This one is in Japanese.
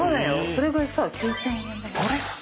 それがさ９，０００円だよ。